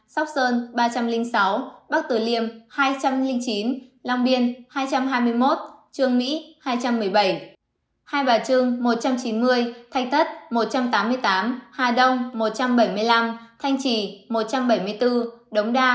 sóc sơn ba trăm linh sáu bắc tử liêm hai trăm linh chín long biên hai trăm hai mươi một trường mỹ hai trăm một mươi bảy hai bà trương một trăm chín mươi thanh tất một trăm tám mươi tám hà đông một trăm bảy mươi năm thanh trì một trăm bảy mươi bốn đống đa một trăm bảy mươi bốn